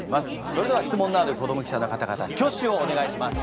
それでは質問のある子ども記者の方々挙手をお願いします。